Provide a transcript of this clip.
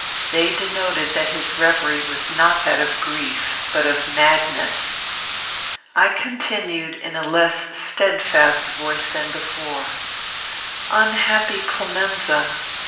They denoted that his reverie was not that of grief, but of madness. I continued, in a less steadfast voice than before: "Unhappy Clemenza!